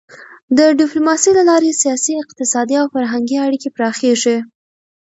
د ډيپلوماسی له لارې سیاسي، اقتصادي او فرهنګي اړیکې پراخېږي.